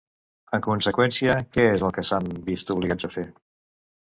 En conseqüència, què és el que s'han vist obligats a fer?